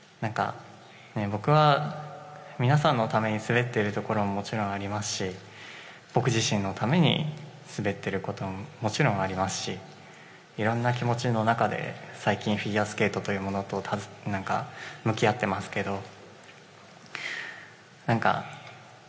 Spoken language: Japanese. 僕は皆さんのために滑っているところももちろんありますし僕自身のために滑っていることももちろんありますしいろいろな気持ちの中で最近フィギュアスケートというものと向き合っていますけど。